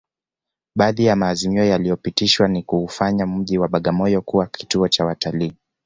Baadhi ya maazimio yaliyopitishwa ni kuufanya mji wa Bagamoyo kuwa kituo cha watalii